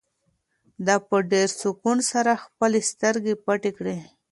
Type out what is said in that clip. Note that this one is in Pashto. ده په ډېر سکون سره خپلې سترګې پټې کړې.